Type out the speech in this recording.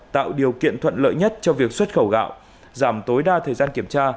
tạo điều kiện thuận lợi nhất cho việc xuất khẩu gạo giảm tối đa thời gian kiểm tra